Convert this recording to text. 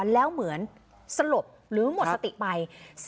แล้วเหมือนสลบหรือหมดสติไป